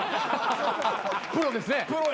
プロですね。